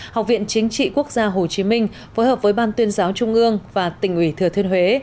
học viện chính trị quốc gia hồ chí minh phối hợp với ban tuyên giáo trung ương và tỉnh ủy thừa thiên huế